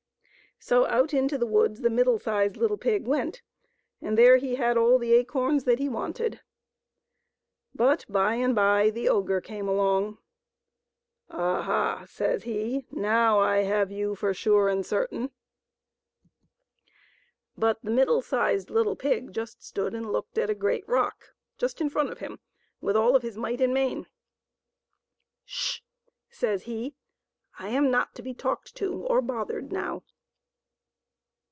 So out into the woods the middle sized little pig went, and there he had all the acorns that he wanted. But by and by the ogre came along. " Aha !" says he. " Now I have you for sure and certain." ^e 0£re tUmhn tljt tree bet^rt 248 THE THREE LITTLE PIGS AND THE OGRE. But the middle sized little pig just stood and looked at a great rock just in front of him, with all of his might and main. '' Sh h h h h h !" says he, " I am not to be talked to or bothered now